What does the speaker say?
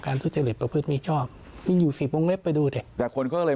ทุจริตประพฤติมีชอบมีอยู่สิบวงเล็บไปดูดิแต่คนก็เลย